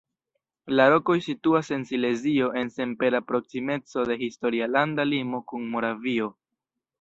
La rokoj situas en Silezio en senpera proksimeco de historia landa limo kun Moravio.